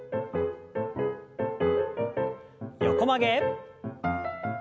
横曲げ。